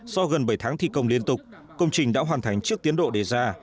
do gần bảy tháng thi công liên tục công trình đã hoàn thành chiếc tiến độ đề ra